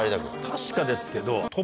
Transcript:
確かですけど。